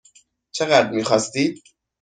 چقدر میخواستید؟